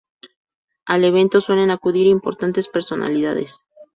Al evento suelen acudir importantes personalidades.